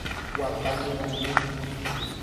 Guata Ñepyrũ.